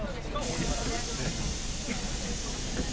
折原先生。